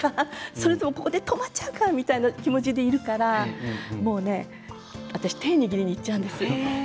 それともここで止まっちゃうかみたいな気持ちでいるからもうね私手握りに行っちゃうんです。